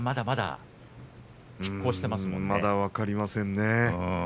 まだまだ分かりません。